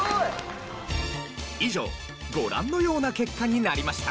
以上ご覧のような結果になりました。